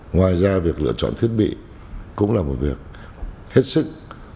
ngoài ra việc lựa chọn thiết bị cũng là một việc hết sức